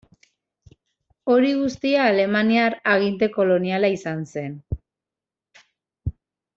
Hori guztia, alemaniar aginte koloniala izan zen.